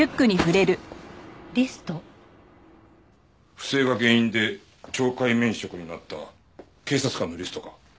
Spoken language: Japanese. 不正が原因で懲戒免職になった警察官のリストか？